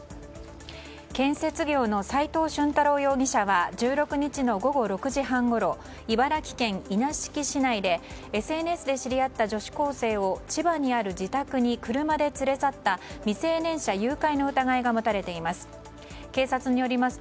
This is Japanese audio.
建設業の斎藤駿太郎容疑者は１６日の午後６時半ごろ茨城県稲敷市内でＳＮＳで知り合った女子高生を千葉にある自宅に車で連れ去った未成年者誘拐の疑いが持たれています。